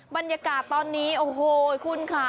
บรรยากาศตอนนี้โอ้โหคุณค่ะ